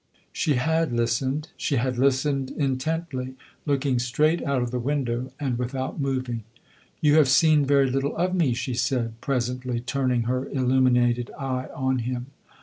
She had listened she had listened intently, looking straight out of the window and without moving. "You have seen very little of me," she said, presently, turning her illuminated eye on him.